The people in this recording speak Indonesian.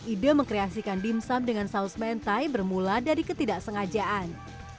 ide mengkreasikan dimsum dengan saus mentai bermula dari ketidaksengajaan